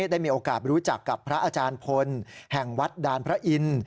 ได้มีโอกาสรู้จักกับพระอาจารย์พลแห่งวัดดานพระอินทร์